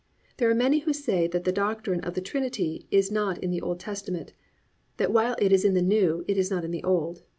There are many who say that the doctrine of the Trinity is not in the Old Testament, that while it is in the New, it is not in the Old.